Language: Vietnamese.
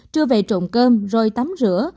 trưa về trộn cơm rồi tắm rửa